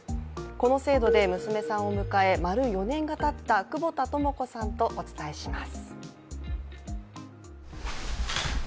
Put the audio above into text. この制度で娘さんを迎え、丸４年がたった久保田智子さんとお伝えします。